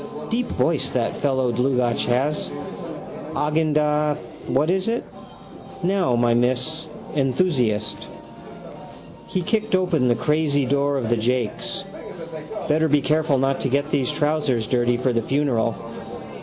Deep voice that fellow Dlugacz has. Agendath what is it? Now, my miss. Enthusiast. He kicked open the crazy door of the jakes. Better be careful not to get these trousers dirty for the funeral.